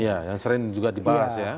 iya yang sering juga dibahas ya